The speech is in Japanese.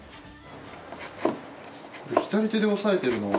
左手で押さえてるのは。